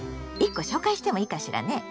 １個紹介してもいいかしらね。